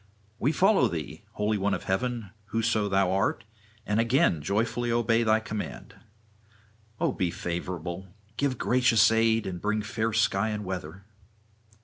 We follow thee, holy one of heaven, whoso thou art, and again joyfully obey thy command. O be favourable; give gracious aid and bring fair sky and weather.'